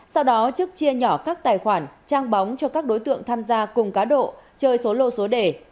sau đó trúc chia nhỏ các tài khoản trang bóng cho các đối tượng tham gia cùng cá độ chơi số lô số đề